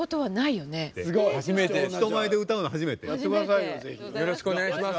よろしくお願いします。